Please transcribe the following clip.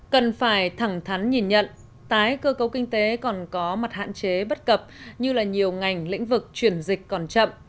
cần phải thẳng thắn nhìn nhận tái cơ cấu kinh tế còn có mặt hạn chế bất cập như là nhiều ngành lĩnh vực chuyển dịch còn chậm